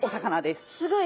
すごい。